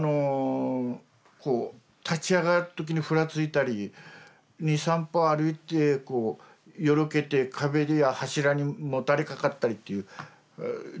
こう立ち上がる時にふらついたり２３歩歩いてよろけて壁に柱にもたれかかったりっていう状態だったの。